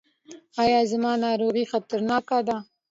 ایا زما ناروغي خطرناکه ده؟